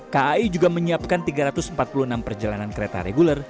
kai juga menyiapkan tiga ratus empat puluh enam perjalanan kereta reguler